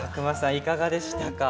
いかがでしたか？